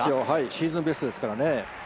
シーズンベストですからね。